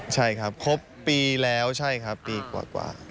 ใช่ครับครบปีแล้วใช่ครับปีกว่า